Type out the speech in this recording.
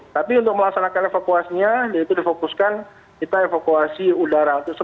tapi untuk melaksanakan evakuasinya yaitu difokuskan kita evakuasi udara